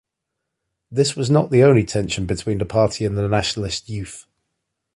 Was not this the only tension between the party and the nationalist youth.